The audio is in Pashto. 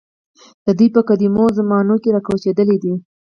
دوی په قدیمو زمانو کې راکوچېدلي دي.